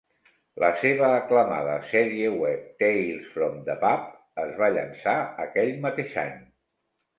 La seva aclamada sèrie web "Tales From the Pub" es va llançar aquell mateix any.